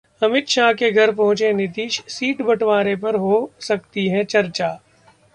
अमित शाह के घर पहुंचे नीतीश, सीट बंटवारे पर हो सकती है चर्चा